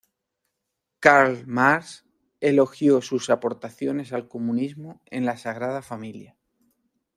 Karl Marx elogió sus aportaciones al comunismo en La Sagrada Familia.